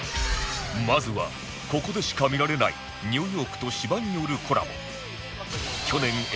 まずはここでしか見られないニューヨークと芝によるコラボ